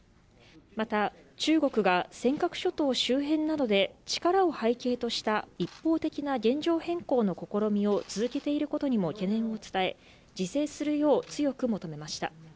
また中国が尖閣諸島周辺などで力を背景とした一方的な現状変更の試みを続けていることにも懸念を伝え、自制するよう強く求めました。